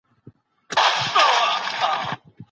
زما پر مخ بــانــدي د اوښــكــو